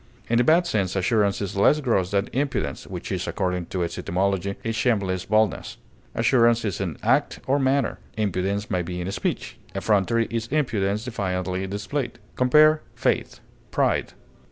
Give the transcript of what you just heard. In the bad sense assurance is less gross than impudence, which is (according to its etymology) a shameless boldness. Assurance is in act or manner; impudence may be in speech. Effrontery is impudence defiantly displayed. Compare FAITH; PRIDE.